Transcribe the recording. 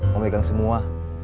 mau pegang semua